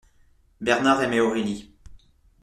Bernard aimait Aurélie.